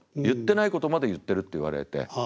言ってないことまで言ってるって言われて。